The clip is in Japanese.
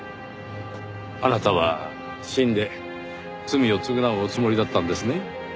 あなたは死んで罪を償うおつもりだったんですね？